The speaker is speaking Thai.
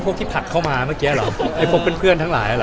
พวกที่ผลักเข้ามาเมื่อกี้ก็หรอพวกเพื่อนทั้งหลายหรอ